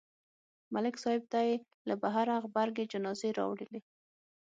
ملک صاحب ته یې له بهره غبرګې جنازې راوړلې